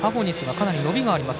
かなり伸びがあります。